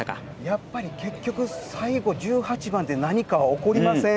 やっぱり、結局、最後１８番で何かは起こりません？